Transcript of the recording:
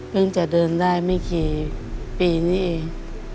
จะเดินได้ไม่กี่ปีนี้เอง